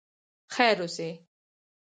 خیر اوسې.